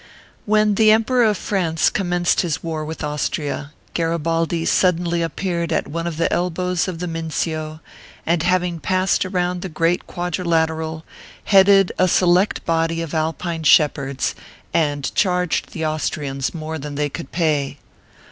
When the Emperor of France commenced his war with Austria, Garibaldi suddenly appeared at one of the elbows of the Mincio, and having passed around the Great Quadrilateral, headed a select body of Al pine shepherds, and charged the Austrians more than they could pay.